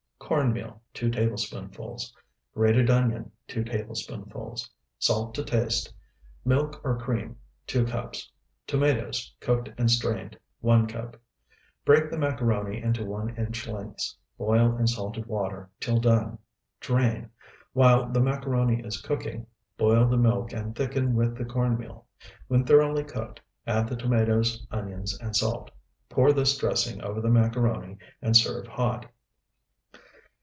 Corn meal, 2 tablespoonfuls. Grated onion, 2 tablespoonfuls. Salt to taste. Milk or cream, 2 cups. Tomatoes, cooked and strained, 1 cup. Break the macaroni into one inch lengths; boil in salted water till done; drain. While the macaroni is cooking, boil the milk and thicken with the corn meal. When thoroughly cooked, add the tomatoes, onions, and salt. Pour this dressing over the macaroni, and serve hot.